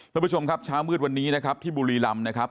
คุณผู้ชมครับเช้ามืดวันนี้นะครับที่บุรีรำนะครับ